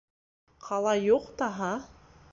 — Ҡала юҡ таһа!